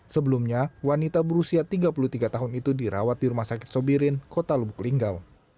sebelumnya wanita berusia tiga puluh tiga tahun itu dirawat di rumah sakit sobirin kota lubuk linggau